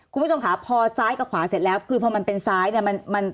คุณผู้ชมค่ะพอซ้ายกับขวาเสร็จแล้วคือพอมันเป็นซ้ายเนี่ย